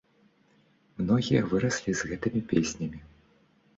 Многія выраслі з гэтымі песнямі.